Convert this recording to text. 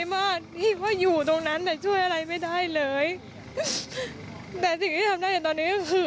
ไม่ว่าจะให้เขาเจ็บหรือเขาจะต้องโดนอะไรก็ตาม